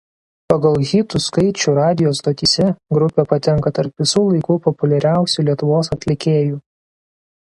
Pagal hitų skaičių radijo stotyse grupė patenka tarp visų laikų populiariausių Lietuvos atlikėjų.